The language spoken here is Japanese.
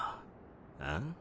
あん？